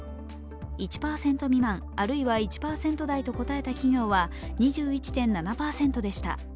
１％未満あるいは１％台と答えた企業は２１．７％でした。